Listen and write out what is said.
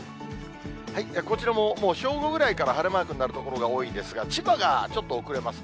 こちらも、もう正午ぐらいから晴れマークになる所が多いですが、千葉がちょっと遅れます。